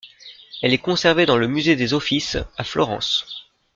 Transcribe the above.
Elle est conservée dans le musée des Offices à Florence.